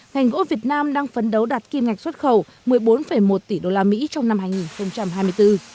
ngành gỗ việt nam đang phấn đấu đạt kim ngạch xuất khẩu một mươi bốn một tỷ usd trong năm hai nghìn hai mươi bốn